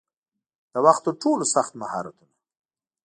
د وخت ترټولو سخت مهارتونه